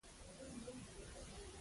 حکمت په حکمت کې دی، نه په عمر کې